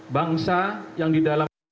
bangsa yang di dalam